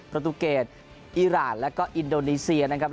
พระตุกรียสอิราณและก็อินโดนีเซียนนะครับ